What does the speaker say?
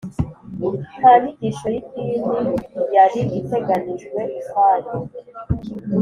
nta nyigisho y'idini yari iteganijwe ukwayo.